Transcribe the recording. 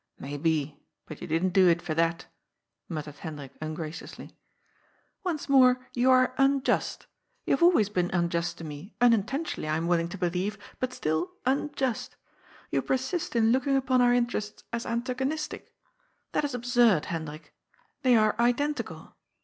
" Maybe, but you didn't do it for that," muttered Hen drik ungraciously. " Once more you are unjust. You have always been un just to me, unintentionally, I am willing to believe, but still unjust. You persist in looking upon our interests as an tagonistic. That is absurd, Hendrik. They are identical.